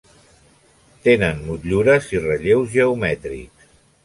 Tenen motllures i relleus geomètrics.